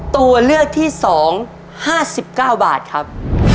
ตัวเลือกที่๒๕๙บาทครับ